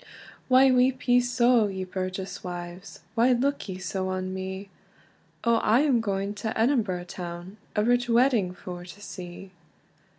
"Why weep ye so, ye burgess wives, Why look ye so on me? O, I am going to Edinburgh town, A rich wedding for to see!"